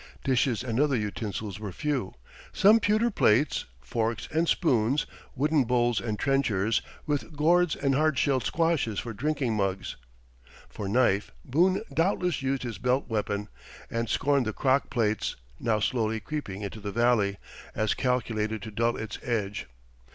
Dishes and other utensils were few some pewter plates, forks, and spoons; wooden bowls and trenchers, with gourds and hard shelled squashes for drinking mugs. For knife, Boone doubtless used his belt weapon, and scorned the crock plates, now slowly creeping into the valley, as calculated to dull its edge.